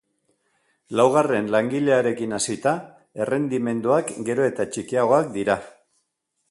Laugarren langilearekin hasita, errendimenduak gero eta txikiagoak dira.